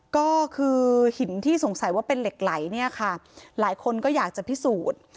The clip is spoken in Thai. ก็คือหินที่สงสัยว่าเป็นเหล็กไหลเนี่ยค่ะหลายคนก็อยากจะพิสูจน์